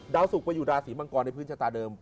ดาวสุกประหยุดราศีมังกรในพื้นชะตาเดิม